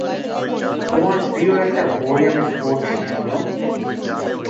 তোমার প্রিয় একটা বই আমি পড়ছি শোনো।